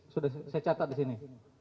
sudah saya catat di sini